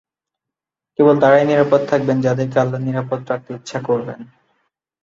কেবল তারাই নিরাপদ থাকবেন, যাদেরকে আল্লাহ নিরাপদ রাখতে ইচ্ছা করবেন।